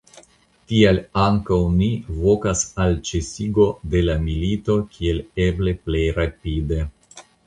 Tial ankaŭ ni vokas al ĉesigo de la milito kiel eble plej rapide.